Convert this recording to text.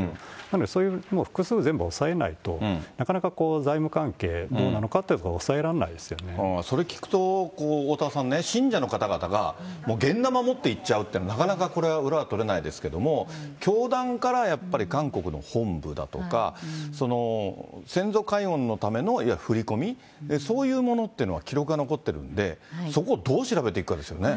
なので、複数全部押さえないと、なかなか財務関係どうなのかってそれ聞くと、おおたわさんね、信者の方々が現ナマ持っていっちゃうって、なかなかこれは裏が取れないですけれども、教団からやっぱり韓国の本部だとか、先祖かいおんのためのいわゆる振り込み、そういうものっていうのは記録が残ってるんで、そこをどう調べていくかですよね。